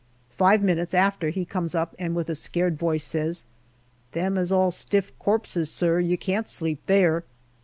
Five minutes after he comes up, and with a scared voice says, " Them is all stiff corpses, sir ; you can't sleep there."